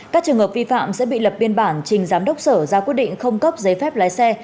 các trường hợp vi phạm sẽ bị lập biên bản trình giám đốc sở ra quyết định không cấp giấy phép lái xe